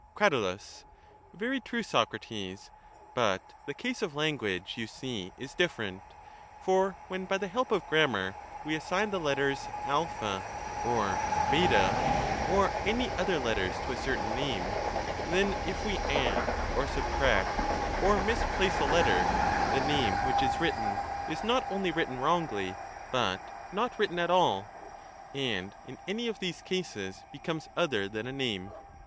Crat. Very true, Socrates ; but the case of language, you see, is different ; for when by the help of grammar we assign the letters a or (3, or any other letters to a certain name, 432 then, if we add, or subtract, or misplace a letter, the name which is written is not only written wrongly, but not written at all ; and in any of these cases becomes other than a name.